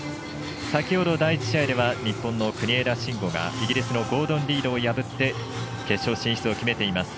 先ほど第１試合では日本の国枝慎吾がイギリスのゴードン・リードを破って決勝進出を決めています。